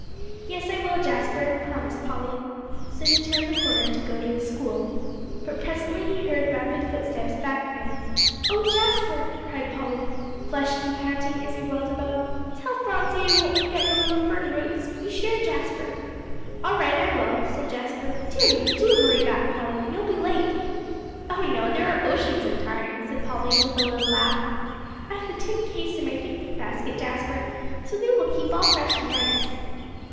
"Yes, I will, Jasper," promised Polly. So he turned the corner, to go to his school. But presently he heard rapid footsteps back of him. "Oh Jasper," cried Polly, flushed and panting, as he whirled about, "tell Phronsie I won't forget the little fern roots. Be sure, Jasper." "All right; I will," said Jasper. "Dear me! do hurry back, Polly. You'll be late." "Oh no, there are oceans of time," said Polly, with a little laugh. "I've the tin case in my picnic basket, Jasper, so they will keep all fresh and nice."